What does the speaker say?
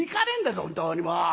本当にもう！